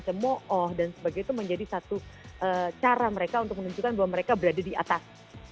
cemooh dan sebagainya itu menjadi satu cara mereka untuk menunjukkan bahwa mereka berada di atas